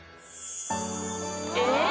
えっ？